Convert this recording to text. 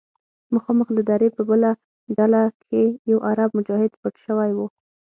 مخامخ د درې په بله ډډه کښې يو عرب مجاهد پټ سوى و.